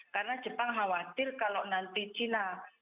karena jepang khawatir kalau nanti china